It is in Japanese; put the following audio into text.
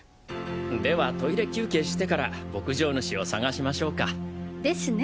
ではトイレ休憩してから牧場主を捜しましょうか。ですね。